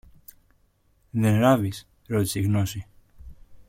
Δε ράβεις; ρώτησε η Γνώση.